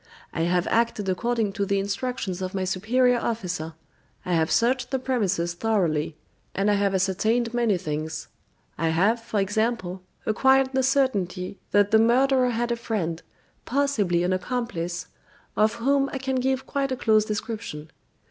I have acted according to the instructions of my superior officer; I have searched the premises thoroughly, and I have ascertained many things. I have, for example, acquired the certainty that the murderer had a friend, possibly an accomplice, of whom I can give quite a close description.